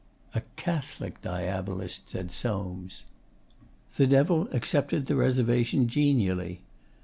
'A Catholic Diabolist,' said Soames. The Devil accepted the reservation genially.